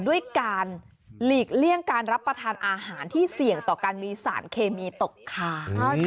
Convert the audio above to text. ด้วยการหลีกเลี่ยงการรับประทานอาหารที่เสี่ยงต่อการมีสารเคมีตกค้าง